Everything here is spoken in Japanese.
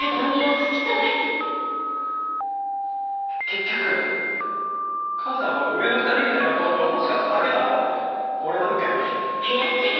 結局母さんは上の２人みたいな子供が欲しかっただけだろ俺なんかより。